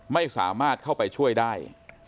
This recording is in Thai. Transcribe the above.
ไม่สามารถเข้าไปช่วยได้